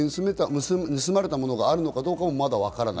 盗まれたものがあるのかどうかも、まだわからない。